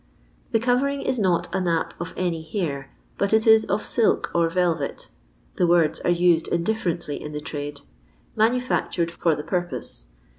Tli« covering is not a nap of any hair, but is of ailk or velvet (the words are used indifferently in tlia trade) manufisctured for the purpose.